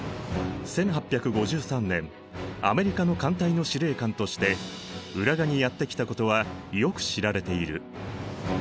１８５３年アメリカの艦隊の司令官として浦賀にやって来たことはよく知られている。